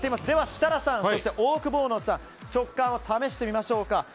では、設楽さんそしてオオクボーノさん直感を試してみましょうか。